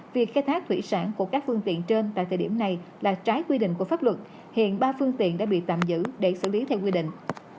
việc khai thác thủy sản của các phương tiện trên tại thời điểm này là trái quy định của pháp luật hiện ba phương tiện đã bị tạm giữ để xử lý theo quy định